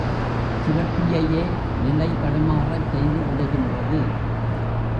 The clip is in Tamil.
சுரப்பியையே நிலை தடுமாறச் செய்து விடுகின்றது.